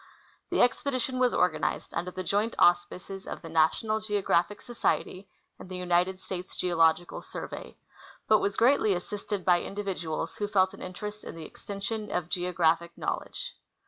The expedition was organized under the joint auspices of the National Geographic Society and the United States Geological Survey, but was greatly assisted by individuals who felt an in terest in the extension of geographic knowledge.